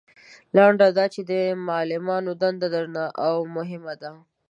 لنډه دا چې د معلمانو دنده درنه او مهمه ده.